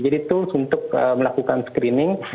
jadi tools untuk melakukan screening